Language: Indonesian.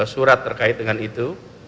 surat terkait dengan itu